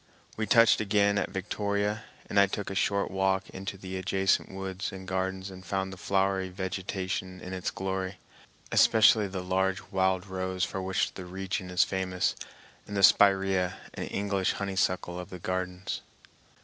We touched again at Victoria, and I took a short walk into the adjacent woods and gardens and found the flowery vegetation in its glory, especially the large wild rose for which the region is famous, and the spiræa and English honeysuckle of the gardens.